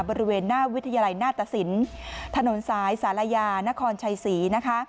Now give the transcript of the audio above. บริเวณหน้าวิทยาลัยหน้าตสินถนนสายศาลายานครชัยศรีนะคะ